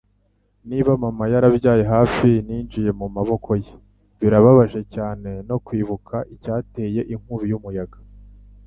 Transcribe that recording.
Niba mama yarabaye hafi ninjiye mu maboko ye, birababaje cyane no kwibuka icyateye inkubi y'umuyaga.